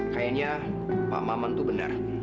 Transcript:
kayaknya pak maman itu benar